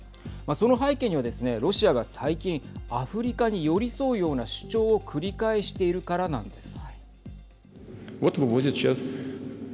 その背景にはですねロシアが最近アフリカに寄り添うような主張を繰り返しているからなんです。